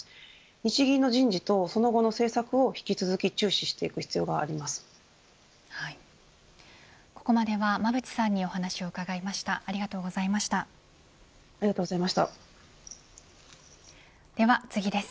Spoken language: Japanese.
日銀の人事とその後の政策を、引き続き注視していく必要があります。